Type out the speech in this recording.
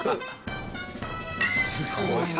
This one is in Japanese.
すごいな。